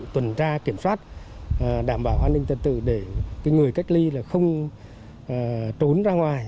tuần tra kiểm soát đảm bảo an ninh tật tự để người cách ly không trốn ra ngoài